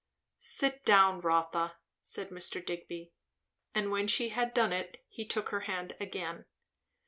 "Sit down, Rotha," said Mr. Digby. And when she had done it he took her hand again.